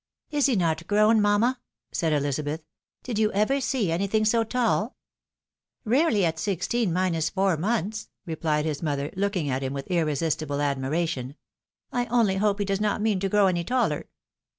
"Is he not grown, mamma? "said EHzabeth. "Did you ever see anything so tall ?"" Karely at sixteen, minus four months," replied his mother, looking at him with frresistible admiration. " I only hope he does not mean to grow any taller."